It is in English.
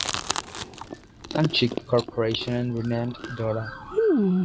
Tank Ship Corporation and renamed "Dora".